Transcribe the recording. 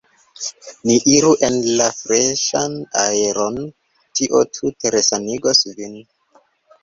Ni iru en la freŝan aeron, tio tute resanigos vin.